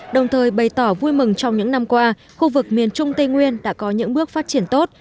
đồng thời bày tỏ vui mừng trong những năm qua khu vực miền trung tây nguyên đã có những bước phát triển tốt